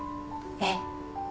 ええ。